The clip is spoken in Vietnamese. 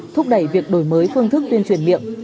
thúc đẩy việc đổi mới phương thức tuyên truyền miệng